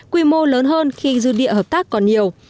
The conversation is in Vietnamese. quy mô lớn hơn khi dư địa hợp tác còn nhiều